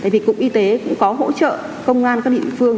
cụng y tế cũng có hỗ trợ công an các định phương